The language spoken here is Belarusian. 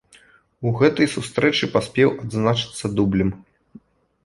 У гэтай сустрэчы паспеў адзначыцца дублем.